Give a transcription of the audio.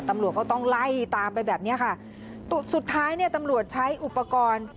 ตำรวจก็ต้องไล่ตามไปแบบเนี้ยค่ะสุดท้ายเนี่ยตำรวจใช้อุปกรณ์